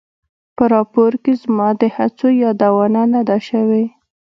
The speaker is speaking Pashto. په راپور کې زما د هڅو یادونه نه ده شوې.